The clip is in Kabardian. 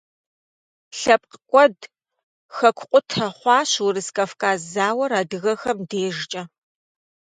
ЛъэпкъкӀуэд, хэкукъутэ хъуащ Урыс-Кавказ зауэр адыгэхэм дежкӀэ.